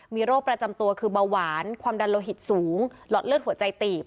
มีโรคประจำตัวคือเบาหวานความดันโลหิตสูงหลอดเลือดหัวใจตีบ